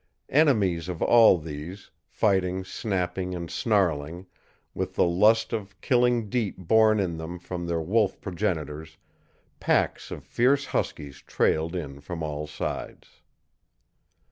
Enemies of all these, fighting, snapping, and snarling, with the lust of killing deep born in them from their wolf progenitors, packs of fierce huskies trailed in from all sides.